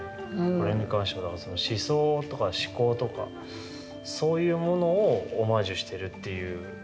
これに関しては思想とか思考とかそういうものをオマージュしてるっていうことですよね。